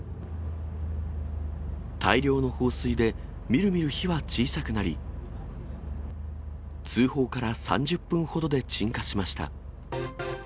大量の放水でみるみる火は小さくなり、通報から３０分ほどで鎮火しました。